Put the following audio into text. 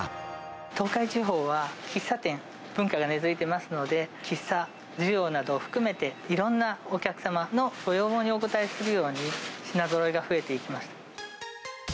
東海地方は喫茶店文化が根付いてますので、喫茶需要などを含めて、いろんなお客様のご要望にお応えするように、品ぞろえが増えていきました。